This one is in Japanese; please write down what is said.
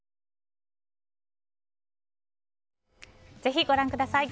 ぜひご覧ください。